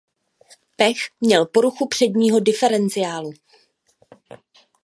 Pech měl poruchu předního diferenciálu.